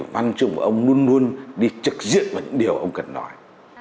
văn chương của ông luôn luôn đi trực diện vào những điều ông cần nói